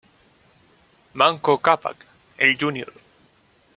Manco Cápac, el Jr.